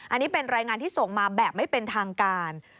อันนี้เป็นรายงานที่ส่งมาแบบไม่เป็นทางการ